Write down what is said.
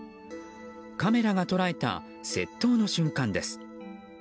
カメラが捉えた窃盗の瞬間です。